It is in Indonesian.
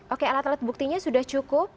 oke alat alat buktinya sudah cukup